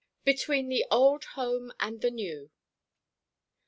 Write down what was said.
BETWEEN THE OLD HOME AND THE NEW.